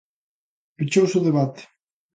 Pechouse o debate.